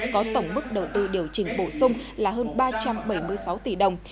có tổng mức đầu tư điều chỉnh bổ sung là hơn ba trăm bảy mươi sáu tỷ đồng